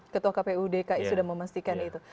ketua kpu dki sudah memastikan itu